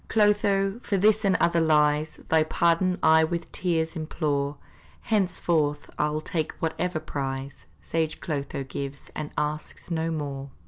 Clotho, for this and other lies, Thy pardon I with tears implore; Henceforth I'll take whatever prize Sage Clotho gives, and asks no more.